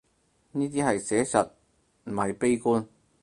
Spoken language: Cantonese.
呢啲係寫實，唔係悲觀